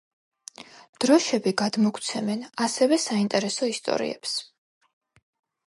დროშები გადმოგვცემენ, ასევე, საინტერესო ისტორიებს.